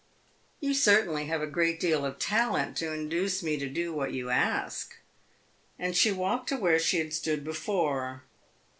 "You certainly have a great deal of talent, to induce me to do what you ask." And she walked to where she had stood before.